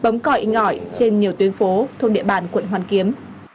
ngõi trên nhiều tuyến phố thông địa bàn quận hoàn kiếm